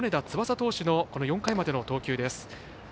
翼投手の４回までの投球です。